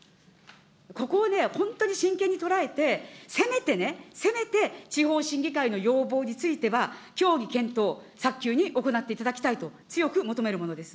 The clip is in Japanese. ここをね、本当に真剣に捉えて、せめてね、せめて、地方審議会の要望については協議検討、早急に行っていただきたいと、強く求めるものです。